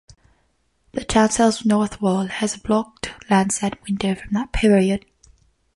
The chancel's north wall has a blocked lancet window from that period.